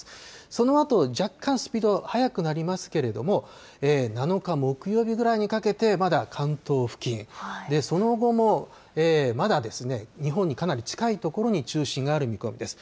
そのあと若干スピード速くなりますけれども、７日木曜日ぐらいにかけて、まだ関東付近、その後もまだですね、日本にかなり近い所に中心がある見込みです。